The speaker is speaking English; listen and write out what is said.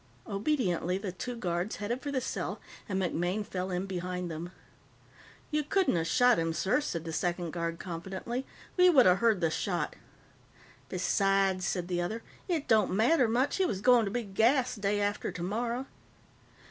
Obediently, the two guards headed for the cell, and MacMaine fell in behind them. "You couldn't of shot him, sir," said the second guard confidently. "We would of heard the shot." "Besides," said the other, "it don't matter much. He was going to be gassed day after tomorrow."